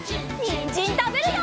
にんじんたべるよ！